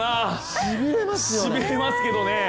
しびれますけどね。